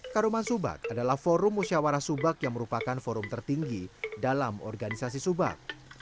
karuman subak adalah forum musyawarah subak yang merupakan forum tertinggi dalam organisasi subak